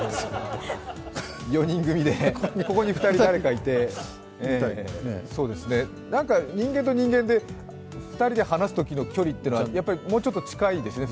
４人組で、ここに２人誰かいて何か人間と人間で２人で話すときの距離というのはやっぱりもうちょっとちかいですよね。